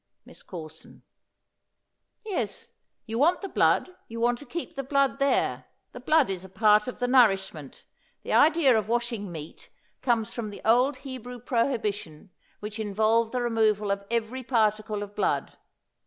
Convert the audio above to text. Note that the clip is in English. MISS CORSON. Yes; you want the blood; you want to keep the blood there. The blood is a part of the nourishment. The idea of washing meat comes from the old Hebrew prohibition which involved the removal of every particle of blood.